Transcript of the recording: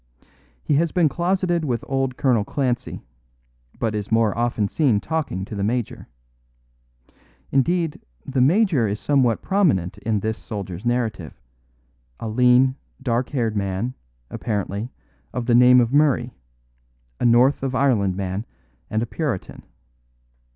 He has been closeted with old Colonel Clancy; but is more often seen talking to the major. Indeed, the major is somewhat prominent in this soldier's narrative; a lean, dark haired man, apparently, of the name of Murray a north of Ireland man and a Puritan.